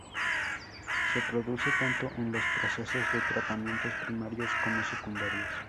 Se produce tanto en los procesos de tratamientos primarios como secundarios.